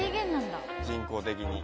人工的に。